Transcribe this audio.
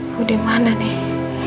ibu dimana nih